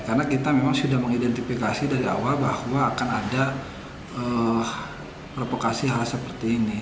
karena kita memang sudah mengidentifikasi dari awal bahwa akan ada provokasi hal seperti ini